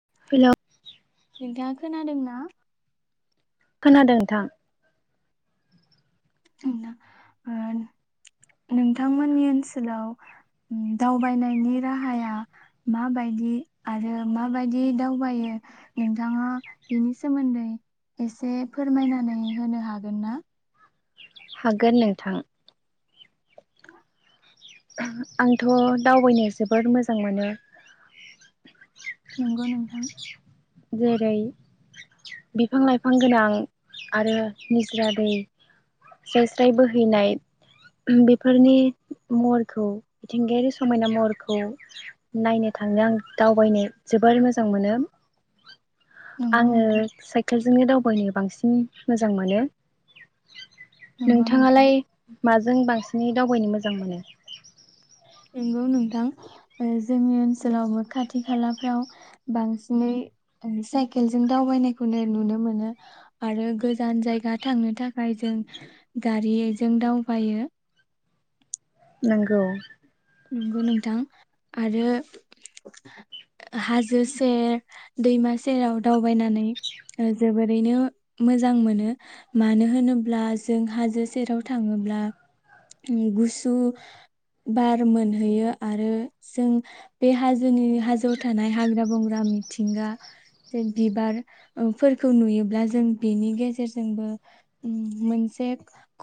[unintelligible] नोंथाङा खोनादोंना। खोनादों नोंथां ओ नोंथांमोननि ओनसोलाव दावबायनायनि राहाया माबायदि आरो माबायदि दावबायो नोंथाङा बेनि सोमोन्दै एसे फोरमायनानै होनो हागोन ना हागोन नोंथां। [unintelligible] आंथ' दावबायनो जोबोर मोजां मोनो। नंगौ नोंथां जेरै बिफां लाइफां गोनां आरो निजर दै स्राय स्राय बोहैनाय बेफोरनि महरखौ मिथिंगायारि समायना महरखौ नायनो थांनो आं दावबायनो जोबोर मोजां मोनो। नंगौ आङो नोंथां साइकेलजोंनो दावबायनो बांसिन मोजां मोनो। नंगौ नोंथां नोंथाङालाय माजों बांसिन नि दावबायनो मोजां मोनो? नंगौ नोंथां जोंनि ओनसोलावबो खाथि खालाफ्राव बांसिनै साइकेलजों दावबायनायखौनो नुनो मोनो आरो गोजान जायगा थांनो थाखाय जों गारिजों दावबायो। नोंगौ। नंगौ नोंथां आरो हाजो सेर दैमा सेराव दावबायनानै जोबोरैनो मोजां मोनो। मानो होनोब्ला जों हाजो सेराव थाङोब्ला गुसु बा मोनहैयो आरो जों बे हाजोनि हाजोआव थानाय हाग्रा बंग्रा मिथिंगा जे बिबार फोरखौ नुयोब्ला जों बेनि गेजेरजोंबो मोनसे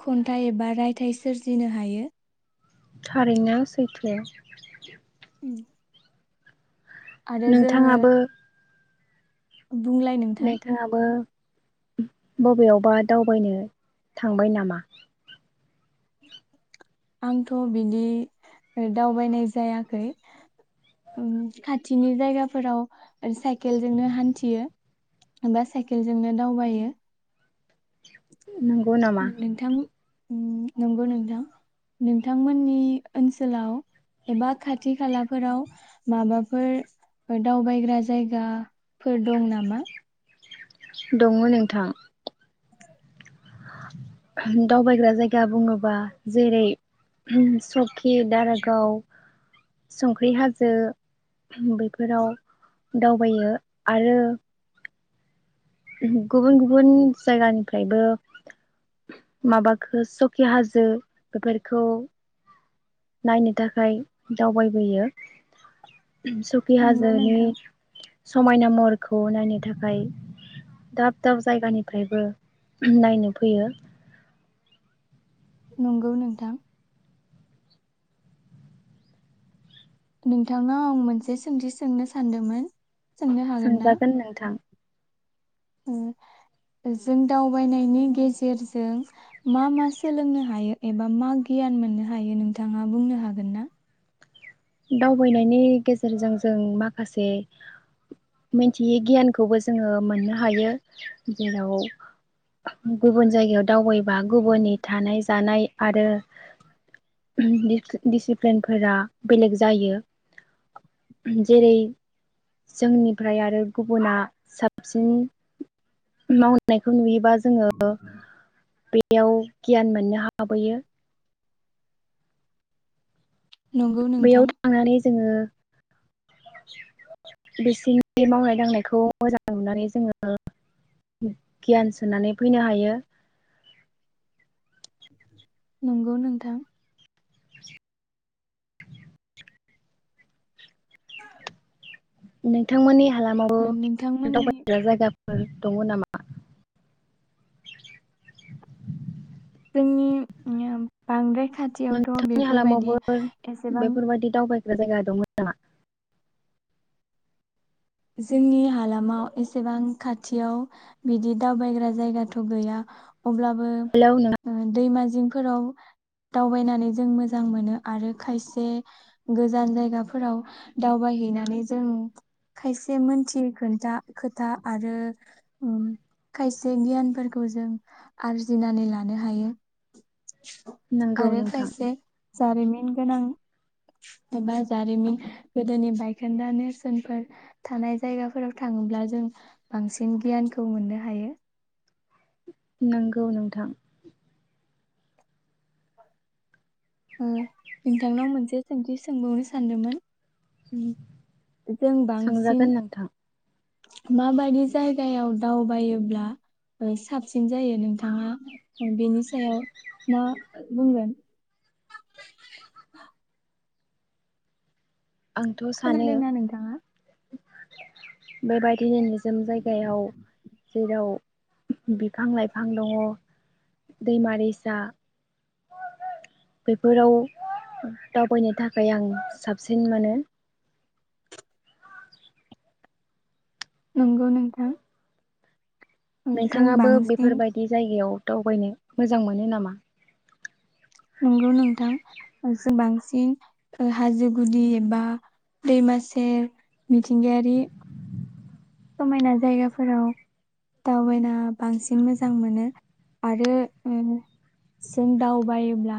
खन्थाइ एबा रायथाइ सोरजिनो हायो। थारैनो सैथो [inaudible] आरो जोङो नोंथाङाबो बुंलाय नोंथां नोंथाङाबो बबेयावबा दावबायनो थांबाय नामा? आंथ' बिदि दावबायनाय जायाखै ओम खाथिनि जायगाफोराव साइकेलजोंनो हान्थियो बा साइकेलजोंनो दावबायो। नंगौ नामा? नोंथां उम नंगौ नोंथां नोंथांमोननि ओनसोलाव एबा खाथि खालाफोराव माबाफोर दावबायग्रा जायगाफोर दं नामा? दङ नोंथां दावबायग्रा जायगा बुङोबा जेरै सकि खि दारागाव संख्रि हाजो बेफोराव दावबायो आरो गुबुन गुबुन जायगानिफ्रायबो माबाखो सकि हाजो बेफोरखौ नायनो थाखाय दावबायबोयो। सकि नंगौ नोंथां हाजोनि समायना महरखौ नायनो थाखाय दाब दाब जायगानिफ्रायबो नायनो फैयो। नंगौ नोंथां। नोंथांनाव आं मोनसे सोंथि सोंनो सानदोंमोन। सोंजागोन नोंथां। ओ जों दावबायनायनि गेजेरजों मा मा सोलोंनो हायो एबा मा गियान मोननो हायो नोंथाङा बुंनो हागोन ना? दावबायनायनि गेजेरजों जों माखासे मिथियै गियानखौबो जोङो मोननो हायो जेराव गुबुन जायगायाव दावबायबा गुबुननि थानाय जानाय आरो दिसिप्लिनफोरा बेलेग जायो जेरै जोंनिफ्राय आरो गुबुना साबसिन मावनायखौ नुयोबा जोङो बेयाव गियान मोननो हाबोयो। नंगौ बेयाव नोंथां। थांनानै जोङो बिसिनि मावनाय दांनायखौ मोजां नुनानै जों गियान सोनानै फैनो हायो। नंगौ नोंथां। नोंथांमोननि हालामावो नोंथांमोननि दावबाय्रा जायगाफोर दङ नामा? जोंनि ओम बांद्राय खाथियावथ' नोंथांनि बेफोरबायदि हालामावबो एसेबां बेफोरबायदि दावबायग्रा जायगा दं नामा? जोंनि हालामाव एसेबां खाथियाव बिदि दावबायग्रा जायगाथ' गैया। अब्लाबो हेलौ नोंथां। दैमा दिंफोराव दावबायनानै जों मोजां मोनो आरो खायसे गोजान जायगाफोराव दावबायहैनानै जों खायसे मोनथियै खोन्था खोथा आरो खायसे गियानफोरखौ जों आरजिनानै लानो हायो। नंगौ आरो नोंथां खायसे जारिमिन गोनां एबा जारिमिन गोदोनि बायखोन्दा नेरसोनफोर थानाय जायगाफोराव थाङोब्ला जों बांसिन गियानखौ मोननो हायो। नंगौ नोंथां। नोंथांनाव मोनसे सोंथि सोंबावनो सानदोंमोन। जों बांसिन सोंजागोन नोंथां माबायदि जायगायाव दावबायोब्ला ओ साबसिन जायो नोंथाङा बेनि सायाव मा ओ बुंगोन। खोनादोंना नोंथांङा। बे बाय गिनोनो जोम जायगायाव। जेराव बिफां लाइफां दङ दैमा दैसा। बैफोराव दावबायनो थाखाय आं साबसिन मोनो। नोंगौ नोंथां। जों नोंथाङाबो बांसिन बेफोरबायदि जायगायाव दावबायनो मोजां मोनो नामा? नंगौ नोंथां। जों बांसिन ओ हाजो गुदि एबा दैमा सेर मिथिंगायारि समायना जायगाफोराव दावबायना बांसिन मोजां मोनो आरो ओम जों दावबायोब्ला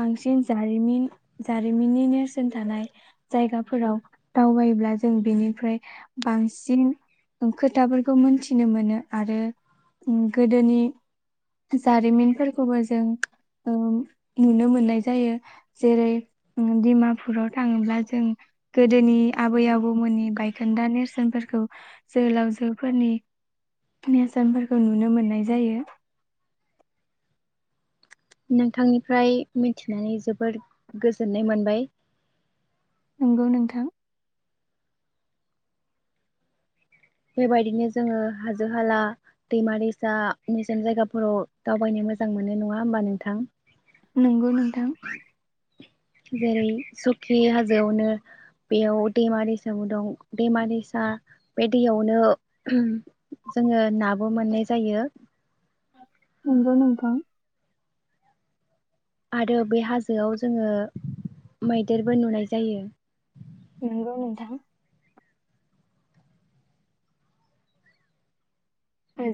बांसिन जारिमिन जारिमिननि नेरसोन थानाय जायगाफोराव दावबायोब्ला जों बेनिफ्राय बांसिन ओं खोथाफोरखौ मोनथिनो मोनो आरो ओम गोदोनि जारिमिनफोरखौबो जों ओ नुनो मोननाय जायो। जेरै ओम डिमापुराव थाङोब्ला जों गोदोनि आबै आबौमोननि बायखोन्दा नेरसोनफोरखौ जोहोलावजोफोरनि नेरसोनफोरखौ नुनो मोननाय जायो। नोंथांनिफ्राय मिथिनानै जोबोरद गोजोननाय मोनबाय। नोंगौ नोंथां। बेबायदिनो जोङो हाजो हाला दैमा दैसा निजोम जायगाफोराव दावबायनो मोजां मोनो नङा होमबा नों थां। नोंगौ नोंथां। जेरै सुखि हाजोआवनो बेयाव दैमा दैसाबो दं दैमा दैसा बायद दैयावनो जोंङो नाबो मोननाय जायो। नोंगौ नोंथां। आरो बे हाजोआव जोङो मैदेरबो नुनाय जायो। नोंगौ नोंथां।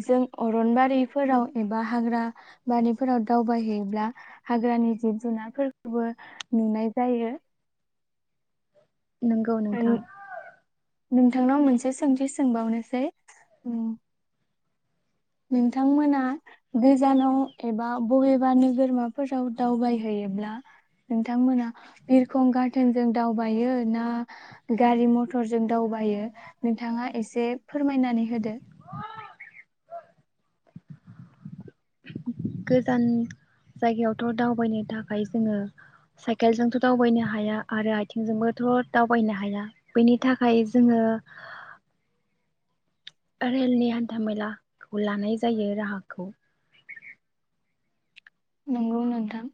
जों अरनबारिफोराव एबा हाग्रा बारिफोराव दावबायहैयोब्ला हाग्रानि जिब जुनारफोरखोबो नुनाय जायो। नोंगौ नोंथां। नोंथांनाव मोनसे सोंथि सोंबावनोसै ओम नोंथांमोना गोजानाव एबा बबेबा नोगोरमाफोराव दावबायहैयोब्ला नोंथांमोना बिरखं गाथोनजों दावबायो ना गारि मथरजों दावबायो नोंथाङा एसे फोरमायनानै होदो। गोजान जायगायावथ' दावबायनो थाखाय जोङो साइकेलजोंथ' दावबायनो हाया आरो आइथिंजोंबोथ' दावबायनो हाया बैनि थाखाय जोंङो रेलनि हान्था मेलाखौ लानाय जायो राहाखौ नोंगौ नोंथां।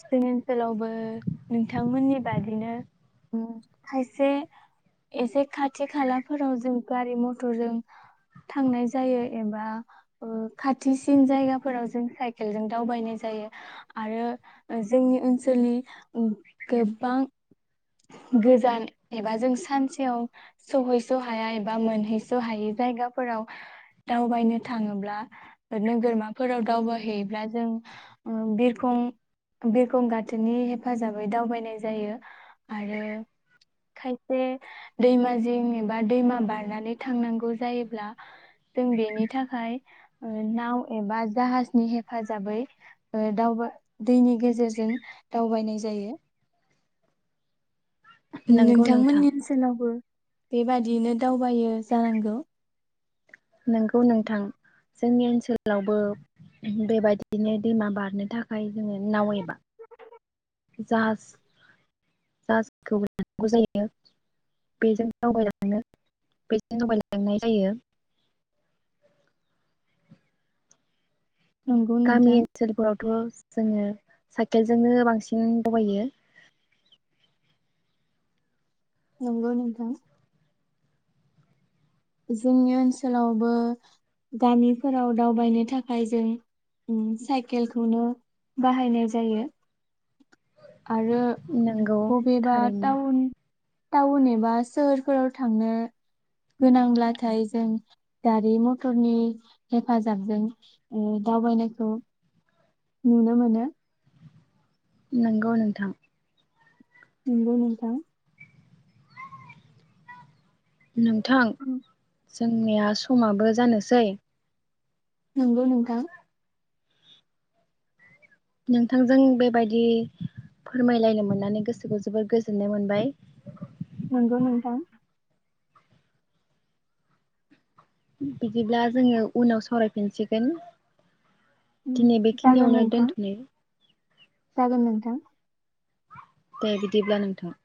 जोंनि ओनसोलावबो नोंथांमोननि बादिनो ओम खायसे एसे खाथि खालाफोराव जों गारि मथरजों थांनाय जायो एबा ओ खाथिसिन जायगाफोराव जों साइकेलजों दावबायनाय जायो आरो। जोंनि ओनसोलनि ओ गोबांक गोजान एबा जों सानसेयाव सहैस' हाया एबा मोनहैस' हायै जायगाफोराव दावबायनो थाङोब्ला नोगोरमाफोराव दावबायहैयोब्ला जों ओ बिरखं बिरखं गाथोनि हेफाजाबै दावबायनाय जायो आरो खायसे दैमा जिं एबा दैमा बारनानै थांनांगौ जायोब्ला जों बेनि थाखाय ओ नाव एबा जाहाजनि हेफाजाबै ओ दावबाय ओ दैनि गेजेरजों दावबायनाय जायो। ओम नंगौ नोंथां नोंथांमोननि ओनसोलावबो बेबादियैनो दावबायो जानांगौ। नोंगौ नोंथां जोंनि ओनसोलावबो बेबायदिनो दैमा बारनो थाखाय जोङो नाव एबा जाहाज जाआजखौबो लानांगौ जायो बैजों दावबायनानै नो बैजों आवगायलांनाय जायो। नंगौ गामि नोंथां ओनसोलफोरावथ' जोङो साइकेलजोंनो बांसिन दावबायो। नंगौ नोथां। जोंनि ओनसोलावबो गामिफोराव दावबायनो थाखाय जों साइकेलखौनो बाहायनाय जायो आरो नंगौ बबेबा थारैनो टाउन टाउन एबा सोहोरफोराव थांनो गोनांब्लाथाय जों गारि मथरनि हेफाजाबजों उम दावबायनायखौ नुनो मोनो। नंगौ नोंथां। नंगौ नोंथां। नोंथां? जोंनिया समाबो जानोसै नंगौ नोंथां। नोंथांजों बेबायदि फोरमायलायनो मोननानै गोसोखौ जोबोर गोजोननाय मोनबाय। नंगौ नोथां। बिदिब्ला जोङो उनाव सावरायफिनसिगोन। दिनै जागोन बेखिनियावनो नोंथां दोनथ'नो। जागोन नोंथां। दे बिदिब्ला नोंथां।